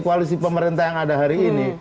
koalisi pemerintah yang ada hari ini